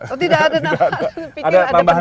oh tidak ada penambahan